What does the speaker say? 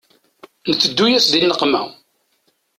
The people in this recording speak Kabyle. Nteddu-yas di nneqma.